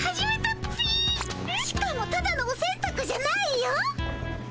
しかもただのおせんたくじゃないよ。